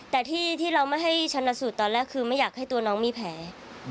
แต่ที่เราไม่ให้ชันสูตรตอนแรกคือไม่อยากให้ตัวน้องมีแผล